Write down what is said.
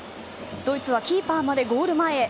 ドイツはキーパーまでゴール前へ。